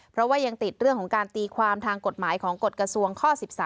เพราะว่ายังติดเรื่องของการตีความทางกฎหมายของกฎกระทรวงข้อ๑๓